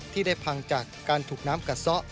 ที่ได้พังจากการถูกน้ำกัดซะ